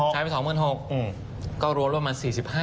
ใช้ไป๒๖๐๐๐ก็รวมรวมประมาณ๔๕